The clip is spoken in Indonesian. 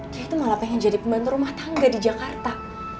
saya itu malah pengen jadi pembantu rumah tangga di jakarta